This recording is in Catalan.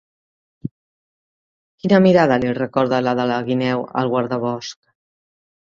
Quina mirada li recorda la de la guineu al guardabosc?